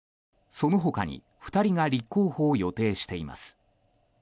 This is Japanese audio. その他に２人が立候補を予定しています。